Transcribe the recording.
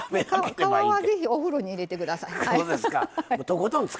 皮はぜひお風呂に入れてください。